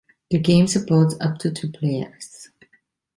The game supports up to two players.